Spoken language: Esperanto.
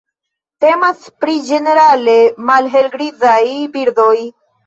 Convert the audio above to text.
Temas pri ĝenerale malhelgrizaj birdoj.